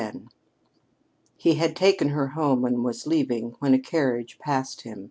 X He had taken her home and was leaving, when a carriage passed him.